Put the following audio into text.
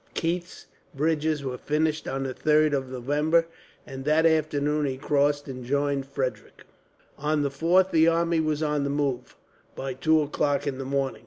Keith's bridges were finished on the 3rd of November, and that afternoon he crossed and joined Frederick. On the 4th the army was on the move by two o'clock in the morning.